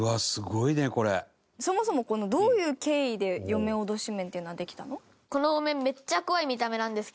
そもそもこのどういう経緯で嫁おどし面っていうのはできたの？